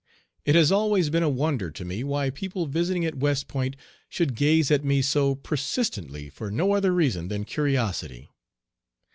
It has always been a wonder to me why people visiting at West Point should gaze at me so persistently for no other reason than curiosity.